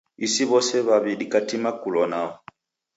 Isi w'ose w'aw' dikatima kulwa nao.